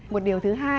một điều thứ hai